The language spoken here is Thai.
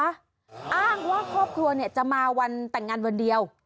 อ้างว่าครอบครัวจะมาวันแต่งงานวันเดียว